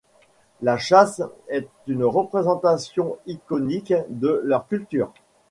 La chasse est une représentation iconique de leur culture.